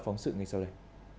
phóng sự ngay sau đây